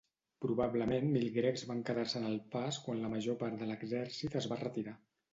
Probablement mil grecs van quedar-se en el pas quan la major part de l'exèrcit es va retirar.